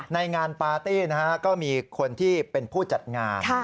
ในงานปาร์ตี้นะฮะก็มีคนที่เป็นผู้จัดงาน